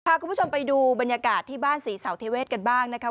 พาคุณผู้ชมไปดูบรรยากาศที่บ้านศรีเสาเทเวศกันบ้างนะครับ